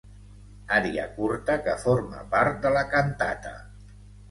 Ària curta que forma part de la cantata.